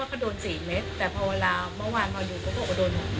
เราลิงจากการทุกอย่างก็คือ